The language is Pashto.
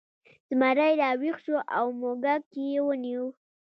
زمری راویښ شو او موږک یې ونیو.